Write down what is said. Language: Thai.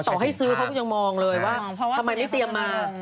ต่อให้ซื้อเขาก็ยังมองเลยว่าทำไมไม่เตรียมมา